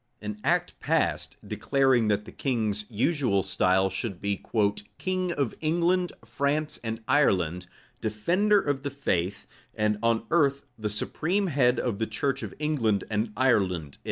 An act passed, declaring that the king's usual style should be "king of England, France, and Ireland, defender of the faith, and on earth the supreme head of the church of England and Ireland."